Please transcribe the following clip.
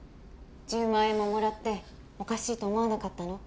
１０万円ももらっておかしいと思わなかったの？